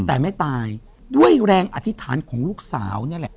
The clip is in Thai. แต่ไม่ตายด้วยแรงอธิษฐานของลูกสาวนี่แหละ